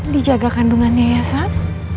dijaga kandungannya ya sam